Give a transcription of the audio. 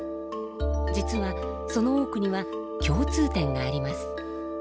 実はその多くには共通点があります。